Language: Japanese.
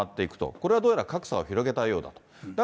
これはどうやら格差を広げたようだと。